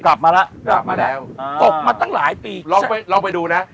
กลับมาแล้วกลับมาแล้วตกมาตั้งหลายปีลองไปลองไปดูนะ